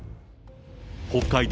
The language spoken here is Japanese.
北海道